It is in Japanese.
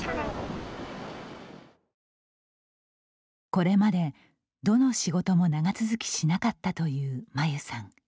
これまで、どの仕事も長続きしなかったという、まゆさん。